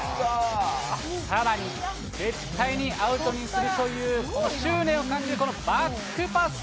さらに、絶対にアウトにするというこの執念を感じるバックパス。